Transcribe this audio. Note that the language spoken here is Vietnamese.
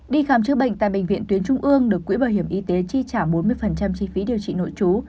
đi khám chữa bệnh tại bệnh viện tuyến trung ương được quỹ bảo hiểm y tế chi trả bốn mươi chi phí điều trị nội chú